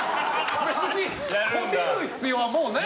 別にこびる必要はもうない。